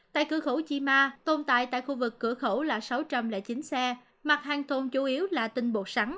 tại cửa khẩu chi ma tồn tại tại khu vực cửa khẩu là sáu trăm linh chín xe mặt hàng tồn chủ yếu là tinh bột sắn